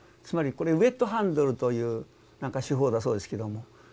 つまりこれ「ウェットハンドル」という手法だそうですけども。